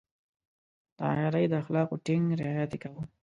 د عیارۍ د اخلاقو ټینګ رعایت يې کاوه.